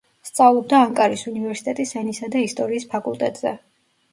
სწავლობდა ანკარის უნივერსიტეტის ენისა და ისტორიის ფაკულტეტზე.